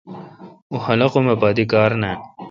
اوں خلقم پا دی کار نان۔